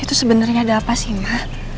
ini tuh sebenernya ada apa sih ma